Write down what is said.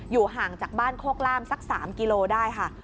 ห่างจากบ้านโคกล่ามสัก๓กิโลได้ค่ะ